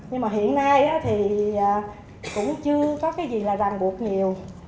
nhưng mà hiện nay thì cũng chưa có cái gì là ràng buộc nhiều